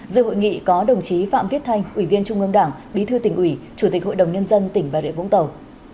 giữa hội nghị có đồng chí phạm viết thanh ủy viên trung ương đảng bí thư tỉnh ủy chủ tịch hội đồng nhân dân tỉnh bà rịa vũng tàu